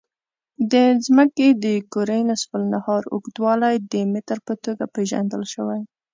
د ځمکې د کرې نصف النهار اوږدوالی د متر په توګه پېژندل شوی.